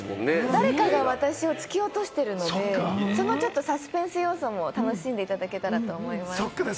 誰かが私を突き落としてるので、そのサスペンス要素も楽しんでいただけたらと思います。